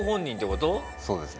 そうです。